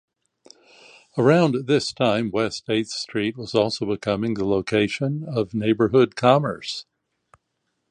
Around this time, West Eighth Street was also becoming the location of neighborhood commerce.